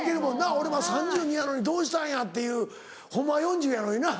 俺３２歳やのにどうしたんやってホンマは４０歳やのにな。